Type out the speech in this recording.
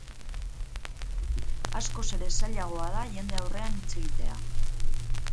Askoz ere zailagoa da jende aurrean hitz egitea.